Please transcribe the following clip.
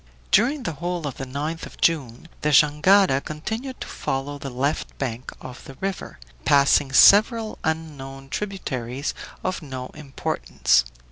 During the whole of the 7th of June the jangada continued to follow the left bank of the river, passing several unknown tributaries of no importance.